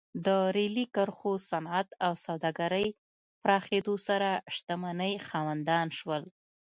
د ریلي کرښو، صنعت او سوداګرۍ پراخېدو سره شتمنۍ خاوندان شول.